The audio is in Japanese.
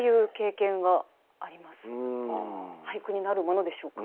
俳句になるものでしょうか？